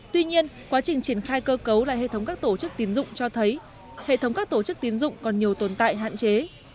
tuy nhiên quá trình triển khai cơ cấu lại hệ thống các tổ chức tiến dụng cho thấy hệ thống các tổ chức tiến dụng còn nhiều tồn tại hạn chế